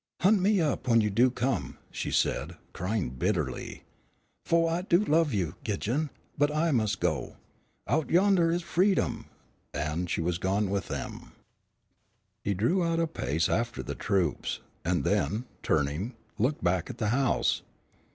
"Hunt me up when you do come," she said, crying bitterly, "fu' I do love you, Gidjon, but I must go. Out yonder is freedom," and she was gone with them. He drew out a pace after the troops, and then, turning, looked back at the house.